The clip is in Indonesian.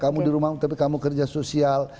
kamu di rumah tapi kamu kerja sosial